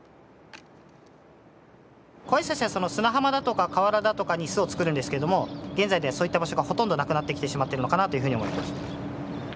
コアジサシは砂浜だとか川原だとかに巣を作るんですけども現在ではそういった場所がほとんどなくなってきてしまってるのかなというふうに思います。